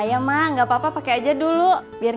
tapi emang gasnya aja yang abis sendiri